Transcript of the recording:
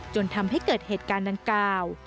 จนทำให้เกิดเหตุการณ์ดังกล่าว